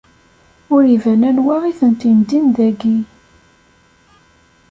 Ur iban anwa i tent-indin dagi.